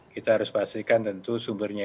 kita harus pastikan tentu sumbernya